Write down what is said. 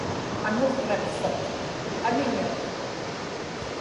anuqłiqsuq; aniñak